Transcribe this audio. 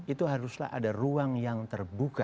itu haruslah ada ruang yang terbuka